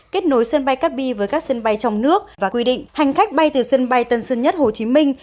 kết nối sân bay cát bi với các sân bay trong nước và quy định hành khách bay từ sân bay tân sơn nhất hồ chí minh